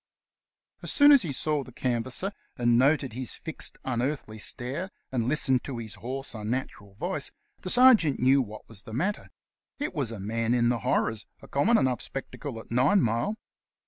As soon as he saw the canvasser, and noted his fixed, un earthly stare, and listened to his hoarse, unnatural voice, the sergeant knew what was the matter; it was a man in the horrors, a common enough spectacle at Nincmile.